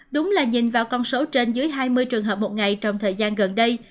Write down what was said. đúng là nhìn vào con số trên dưới hai mươi trường hợp một ngày trong thời gian gần đây